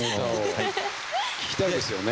聴きたいですよね。